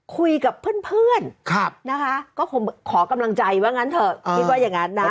คุยกับเพื่อนนะคะก็คงขอกำลังใจว่างั้นเถอะคิดว่าอย่างนั้นนะ